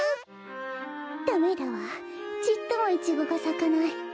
ダメだわちっともイチゴがさかない。